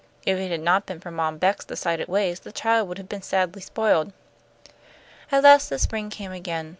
If it had not been for Mom Beck's decided ways, the child would have been sadly spoiled. At last the spring came again.